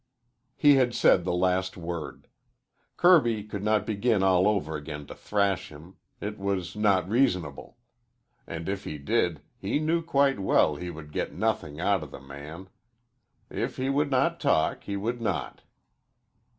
He had said the last word. Kirby could not begin all over again to thrash him. It was not reasonable. And if he did, he knew quite well he would get nothing out of the man. If he would not talk, he would not.